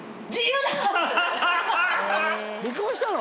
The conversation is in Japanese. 離婚したの？